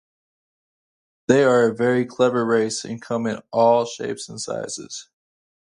They are a very clever race and come in all shapes and sizes.